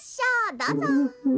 どうぞ。